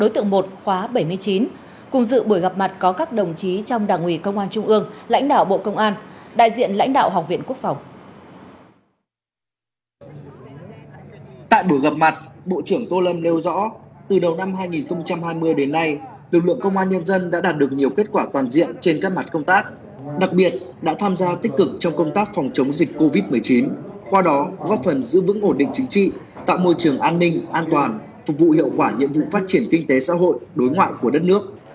tại buổi gặp mặt bộ trưởng tô lâm nêu rõ từ đầu năm hai nghìn hai mươi đến nay lực lượng công an nhân dân đã đạt được nhiều kết quả toàn diện trên các mặt công tác đặc biệt đã tham gia tích cực trong công tác phòng chống dịch covid một mươi chín qua đó góp phần giữ vững ổn định chính trị tạo môi trường an ninh an toàn phục vụ hiệu quả nhiệm vụ phát triển kinh tế xã hội đối ngoại của đất nước